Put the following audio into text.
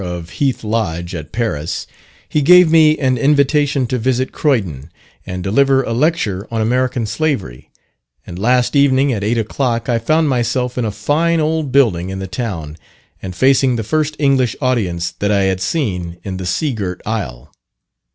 of Heath Lodge, at Paris, he gave me an invitation to visit Croydon, and deliver a lecture on American Slavery; and last evening, at eight o'clock, I found myself in a fine old building in the town, and facing the first English audience that I had seen in the sea girt isle.